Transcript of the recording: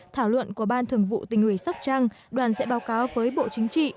thảo luận của ban thường vụ tình huy sóc trăng đoàn sẽ báo cáo với bộ chính trị